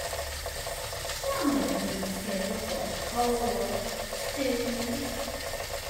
Show me the movie schedule for Whore II.